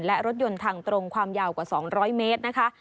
และรถยนต์ทางตรงความยาวกว่า๒๐๐เมตรนะคะ